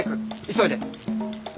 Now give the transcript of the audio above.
急いで！